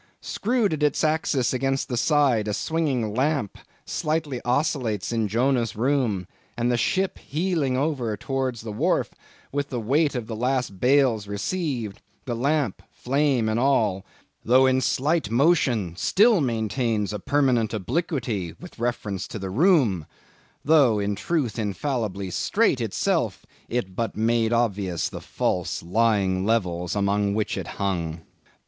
"Screwed at its axis against the side, a swinging lamp slightly oscillates in Jonah's room; and the ship, heeling over towards the wharf with the weight of the last bales received, the lamp, flame and all, though in slight motion, still maintains a permanent obliquity with reference to the room; though, in truth, infallibly straight itself, it but made obvious the false, lying levels among which it hung.